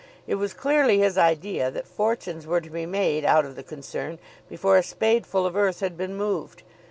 It was clearly his idea that fortunes were to be made out of the concern before a spadeful of earth had been moved.